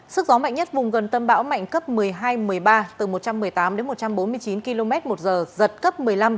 sức gió mạnh nhất vùng gần tâm bão mạnh cấp một mươi hai một mươi ba từ một trăm một mươi tám đến một trăm bốn mươi chín km một giờ giật cấp một mươi năm